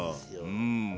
うん。